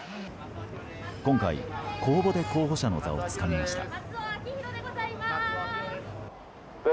今回、公募で候補者の座をつかみました。